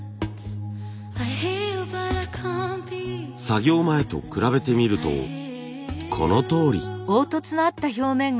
作業前と比べてみるとこのとおり。